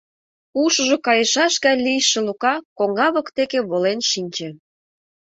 Ушыжо кайышаш гай лийше Лука коҥга воктеке волен шинче.